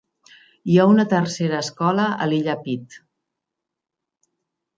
Hi ha una tercera escola a l'illa Pitt.